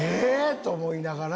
と思いながら。